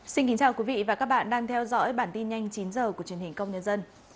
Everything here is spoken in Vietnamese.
xin kính chào quý vị và các bạn đang theo dõi bản tin nhanh chín h của truyền hình công nhân dân